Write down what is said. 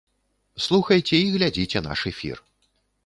Слухайце і глядзіце наш эфір.